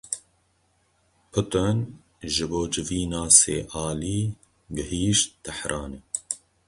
Putin ji bo civîna sê alî gihîşt Tehranê.